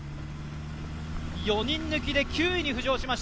４人抜きで９位に浮上しました